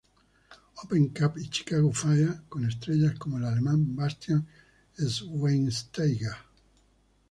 Open Cup y Chicago Fire, con estrellas como el alemán Bastian Schweinsteiger.